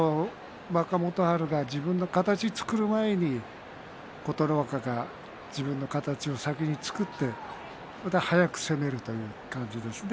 若元春が自分の形を作る前に琴ノ若が自分の形を先に作って速く攻めるという感じですね。